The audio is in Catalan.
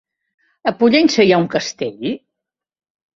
A Pollença hi ha un castell?